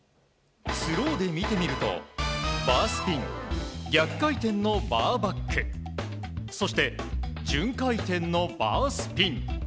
スローで見てみるとバースピン、逆回転のバーバックそして、順回転のバースピン。